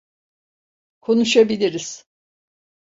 Konuşabiliriz.